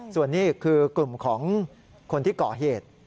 ส่วนนี้คือกลุ่มของคนที่ก่อเหตุ